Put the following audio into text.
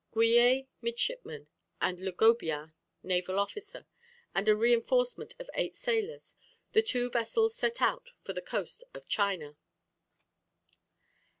Guyet, midshipman, and Le Gobien, naval officer, and a reinforcement of eight sailors the two vessels set out for the coast of China.